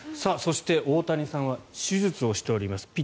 そして大谷さんは手術をしております。